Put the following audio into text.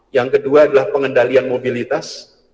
yang kedua adalah pengendalian mobilitas